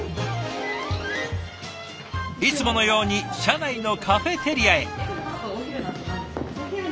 いつものように社内のカフェテリアへ。